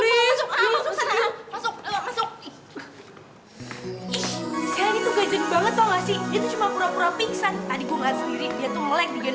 itu cuma pura pura pingsan tadi gue ngasih dia tuh lelek bikin